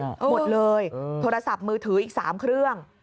หมดเลยโทรศัพท์มือถืออีก๓เครื่อง